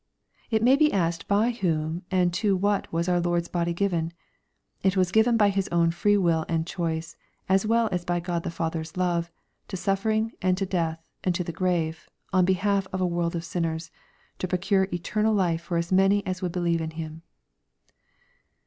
\ It may be asked by whom and to what was our Lord's body given ? It was given by His own free will and choice, as well as by God the Father's love, to suffering, to death^ and LO the grave, on behalf of a world of sinners, to procure ete»* nal life for as many as would beUeve on Him.